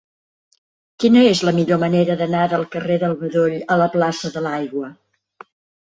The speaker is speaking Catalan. Quina és la millor manera d'anar del carrer del Bedoll a la plaça de l'Aigua?